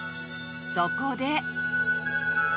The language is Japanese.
そこで。